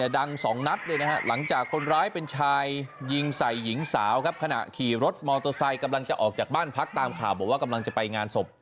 ดัง๒นัดหลังจากคนร้ายเป็นชายยิงใส่หญิงสาวครับขณะขี่รถมอเตอร์ไซค์กำลังจะออกจากบ้านพักตามข่าวบอกว่ากำลังจะไปงานศพ